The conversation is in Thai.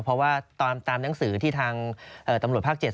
เพราะว่าตามหนังสือที่ทางตำรวจภาค๗